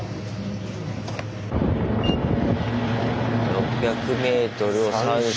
６００ｍを３周。